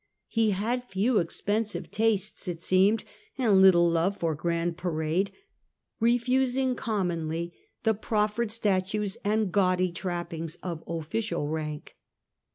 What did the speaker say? He had few expensive tastes, it seemed, and little love for grand parade, refusing commonly the proffered statues and gaudy trappings of official rank.